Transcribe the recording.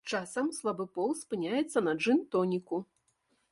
Часам слабы пол спыняецца на джын-тоніку.